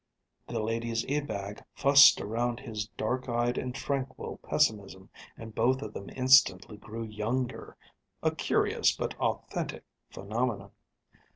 The ladies Ebag fussed around his dark eyed and tranquil pessimism, and both of them instantly grew younger a curious but authentic phenomenon.